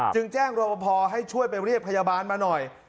จึงแจ้งรบพอให้ช่วยไปเรียกพยาบาลมาหน่อย